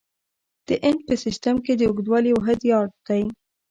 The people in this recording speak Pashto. د انچ په سیسټم کې د اوږدوالي واحد یارډ دی.